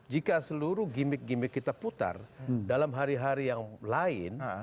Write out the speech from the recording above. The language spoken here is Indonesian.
jika seluruh gimmick gimmick kita putar dalam hari hari yang lain